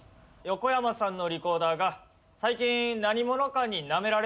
ヨコヤマさんのリコーダーが最近何者かになめられてるようです。